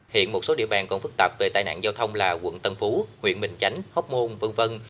hiện một số địa bàn còn phức tạp về tai nạn giao thông là quận tân phú huyện bình chánh hóc môn v v